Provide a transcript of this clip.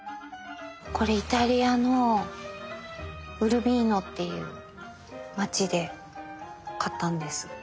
これイタリアのウルビーノっていう街で買ったんです。